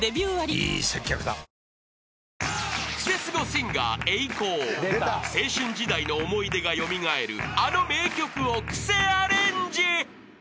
［クセスゴシンガーＥＩＫＯ青春時代の思い出が蘇るあの名曲をクセアレンジ］